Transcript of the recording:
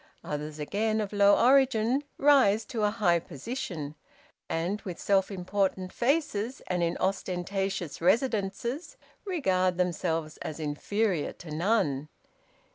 Others, again, of low origin, rise to a high position, and, with self important faces and in ostentatious residences, regard themselves as inferior to none.